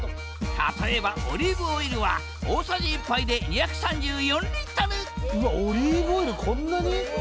例えばオリーブオイルは大さじ１杯で２３４リットルうわっオリーブオイルこんなに！